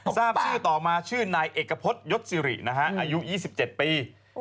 ทราบชื่อต่อมาชื่อนายเอกพฤษยศสิรินะฮะอายุ๒๗ปี